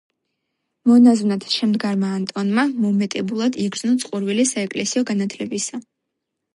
მონაზვნად შემდგარმა ანტონმა მომეტებულად იგრძნო წყურვილი საეკლესიო განათლებისა.